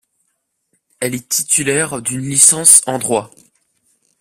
Elle est titulaire d'une licence en droit.